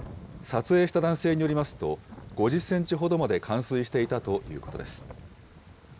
撮影した男性によりますと、５０センチほどまで冠水していたということです。